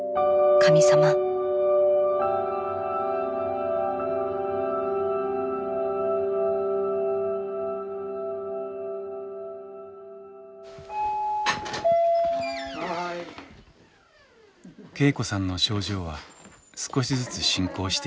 恵子さんの症状は少しずつ進行していきました。